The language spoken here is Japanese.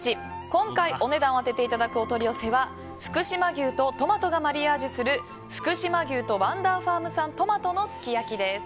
今回、お値段を当てていただくお取り寄せは福島牛とトマトがマリアージュする福島牛×ワンダーファーム産トマトのすき焼きです。